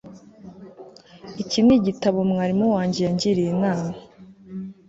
Iki nigitabo mwarimu wanjye yangiriye inama